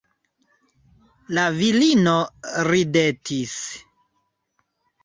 La virino ridetis.